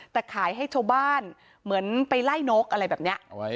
แต่ขายให้โชว์บ้านเหมือนไปไล่นกอะไรแบบเนี้ยเอาไว้